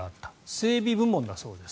整備部門だそうです。